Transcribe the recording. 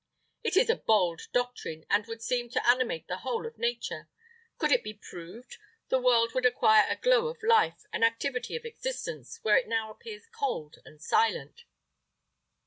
"It is a bold doctrine, and would seem to animate the whole of nature. Could it be proved, the world would acquire a glow of life, and activity of existence, where it now appears cold and silent."